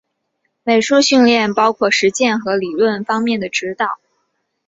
美术训练包括实践和理论方面的指导。